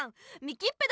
「みきっぺ」